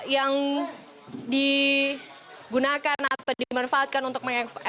yang digunakan atau dimanfaatkan untuk mengembangkan